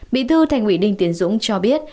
bị thư thành quỷ đinh tiến dũng cho biết